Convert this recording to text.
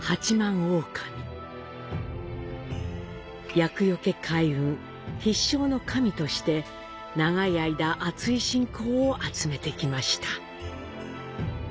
厄除開運、必勝の神として長い間、厚い信仰を集めてきました。